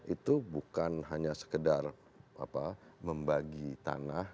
itu bukan hanya sekedar membagi tanah